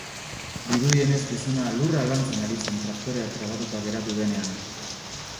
Dirudienez, gizona lurra lantzen ari zen traktorea trabatuta geratu denean.